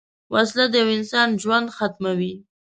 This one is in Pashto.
وسله د یوه انسان ژوند ختموي